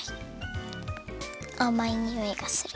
あまいにおいがする。